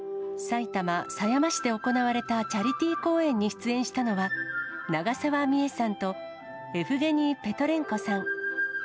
埼玉・狭山市で行われたチャリティー公演に出演したのは、長澤美絵さんとエフゲニー・ペトレンコさん。